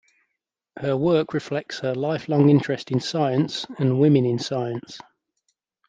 Her work reflects her lifelong interest in science, and women in science.